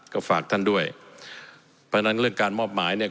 ก็ฝากท่านด้วยเพราะฉะนั้นเรื่องการมอบหมายเนี่ย